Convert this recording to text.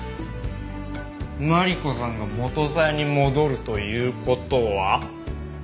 マリコさんが元サヤに戻るという事は。